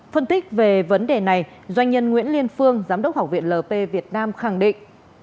phân tích về vấn đề này doanh nhân nguyễn liên phương giám đốc học viện lp việt nam khẳng định